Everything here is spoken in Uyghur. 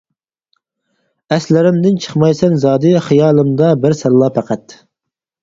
ئەسلىرىمدىن چىقمايسەن زادى، خىيالىمدا بىر سەنلا پەقەت.